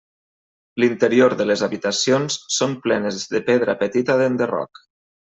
L'interior de les habitacions són plenes de pedra petita d'enderroc.